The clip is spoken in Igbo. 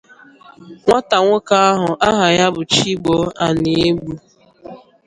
Nwata nwoke ahụ aha ya bụ Chigbo Aniegbu